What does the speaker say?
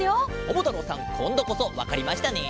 ももたろうさんこんどこそわかりましたね？